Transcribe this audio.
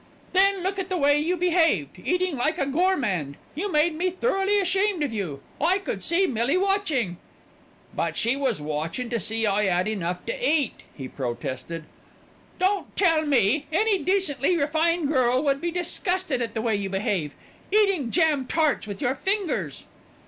"Then look at the way you behaved. Eating like a gormand. You made me thoroughly ashamed of you. I could see Millie watching " "But she was watchin' to see I 'ad enough to eat," he protested. "Don't tell me. Any decently refined girl would be disgusted at the way you behave. Eating jam tarts with your fingers."